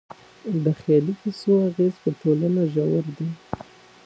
د خيالي کيسو اغېز په ټولنه ژور دی.